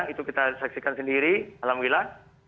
itu kita saksikan sendiri alhamdulillah